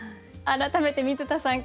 改めて水田さん